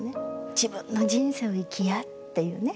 「自分の人生を生きや」っていうね